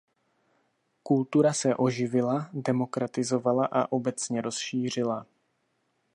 Kultura se oživila, demokratizovala a obecně rozšířila.